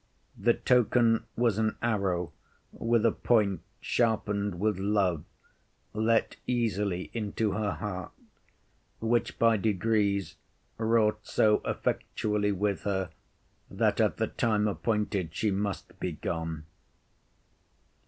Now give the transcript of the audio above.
The token was an arrow with a point sharpened with love, let easily into her heart, which by degrees wrought so effectually with her, that at the time appointed she must be gone.